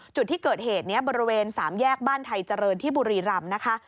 จุดที่เกิดเหตุนี้บริเวณ๓แยกบ้านไทยเจริญที่บุรีรำนะคะ